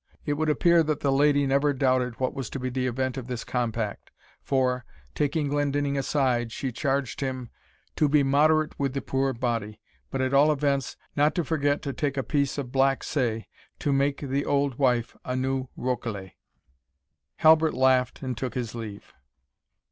It would appear that the lady never doubted what was to be the event of this compact, for, taking Glendinning aside, she charged him, "to be moderate with the puir body, but at all events, not to forget to take a piece of black say, to make the auld wife a new rokelay." Halbert laughed and took his leave.